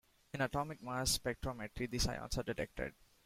In atomic mass spectrometry, these ions are detected.